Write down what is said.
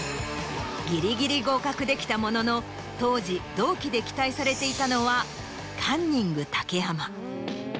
できたものの当時同期で期待されていたのはカンニング竹山。